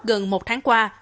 gần một tháng qua